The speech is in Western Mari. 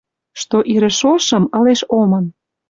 Что ирӹ шошым ылеш омын.